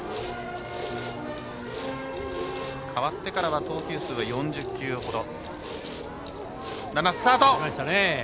代わってからは投球数は４０球ほど。